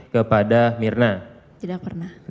kepada mirna tidak pernah